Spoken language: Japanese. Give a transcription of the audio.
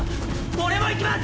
俺も行きます！